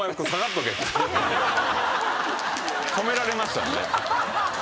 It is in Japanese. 止められましたんで。